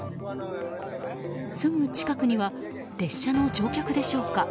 すぐ近くには列車の乗客でしょうか。